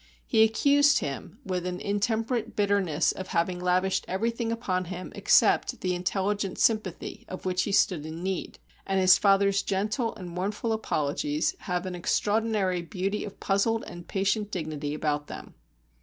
He accused him with an in temperate bitterness of having lavished everything upon him except the intelligent sympathy of which he stood in need, and his father's gentle and mournful apologies have an extraordinary beauty of puzzled and patient dignity about them.